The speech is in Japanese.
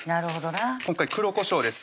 今回黒こしょうです